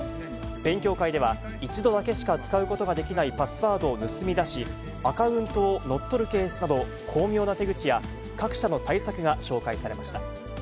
勉強会では、一度だけしか使うことができないパスワードを盗み出し、アカウントを乗っ取るケースなど、巧妙な手口や各社の対策が紹介されました。